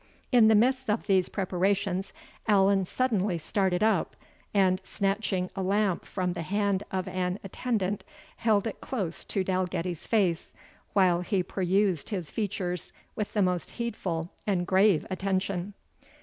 In the midst of these preparations, Allan suddenly started up, and snatching a lamp from the hand of an attendant, held it close to Dalgetty's face, while he perused his features with the most heedful and grave attention.